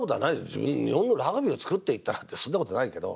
自分日本のラグビーを作っていったなんてそんなことないけど。